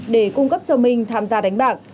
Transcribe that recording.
để cung cấp cho mình tham gia đánh bạc